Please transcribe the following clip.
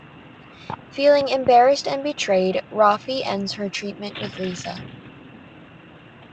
Feeling embarrassed and betrayed, Rafi ends her treatment with Lisa.